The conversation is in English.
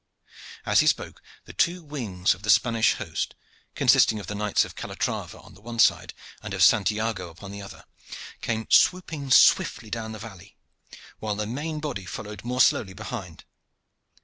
As he spoke, the two wings of the Spanish host, consisting of the Knights of Calatrava on the one side and of Santiago upon the other, came swooping swiftly down the valley, while the main body followed more slowly behind.